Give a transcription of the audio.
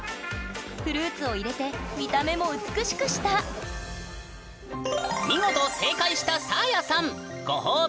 フルーツを入れて見た目も美しくした見事正解したサーヤさんご褒美を召し上がれ！